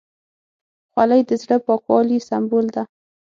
خولۍ د زړه پاکوالي سمبول ده.